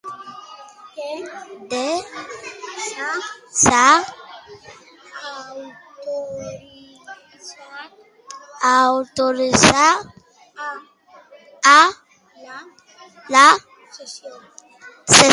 Què s'ha autoritzat a la sessió?